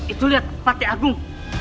itu lihat pati agung